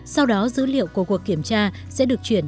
sau đó dữ liệu của cuộc kiểm tra sẽ được chuyển